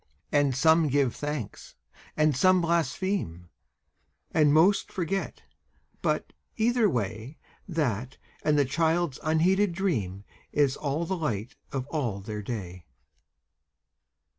And give some thanks, and some blaspheme, And most forget, but, either way, That and the child's unheeded dream Is all the light of all their day.